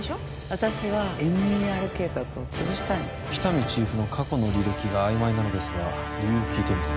私はＭＥＲ計画をつぶしたいの喜多見チーフの過去の履歴が曖昧なのですが理由を聞いていますか？